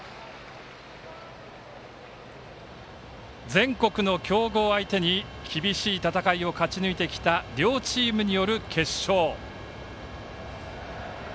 全国の強豪相手に厳しい戦いを勝ち抜いてきた両チームによる決勝。